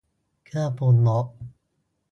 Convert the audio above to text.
เครื่องปรุงรส